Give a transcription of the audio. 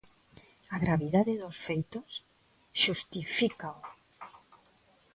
A gravidade dos feitos xustifícao.